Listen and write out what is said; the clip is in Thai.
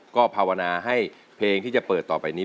ก็ภาวนาให้เพลงที่จะเปิดต่อไปนี้